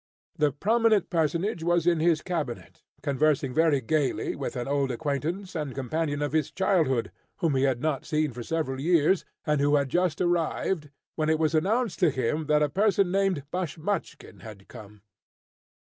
The prominent personage was in his cabinet, conversing very gaily with an old acquaintance and companion of his childhood, whom he had not seen for several years, and who had just arrived, when it was announced to him that a person named Bashmachkin had come.